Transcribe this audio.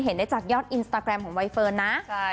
เห็นได้จากยอดอินสตาแกรมของใบเฟิร์นนะ